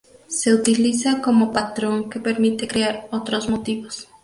Se utiliza como patrón que permite crear otros motivos.